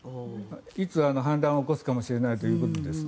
いつ反乱を起こすかもしれないということですね。